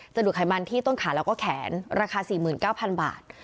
ดูดไขมันที่ต้นขาแล้วก็แขนราคา๔๙๐๐บาท